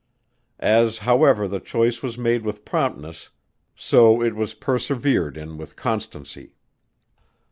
As however the choice was made with promptness so it was persevered in with constancy.